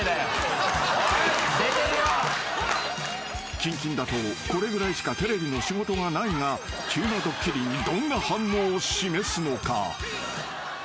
［近々だとこれぐらいしかテレビの仕事がないが急なドッキリにどんな反応を示すのか？］